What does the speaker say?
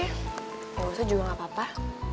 ya gak usah juga gak apa apa